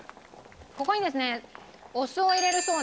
ここにですねお酢を入れるそうなんですね。